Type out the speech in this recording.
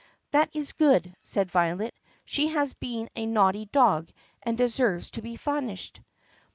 "That is good," said Violet. "She has been a naughty dog and deserves to be punished."